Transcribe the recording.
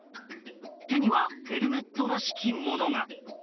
手にはヘルメットらしきものが。